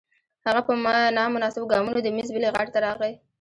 هغه په نامناسبو ګامونو د میز بلې غاړې ته راغی